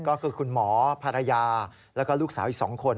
ก็คือคุณหมอภรรยาแล้วก็ลูกสาวอีก๒คน